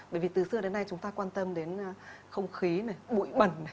bởi vì từ xưa đến nay chúng ta quan tâm đến không khí này bụi bẩn